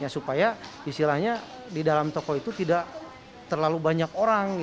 supaya istilahnya di dalam toko itu tidak terlalu banyak orang